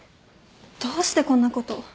どうしてこんなこと？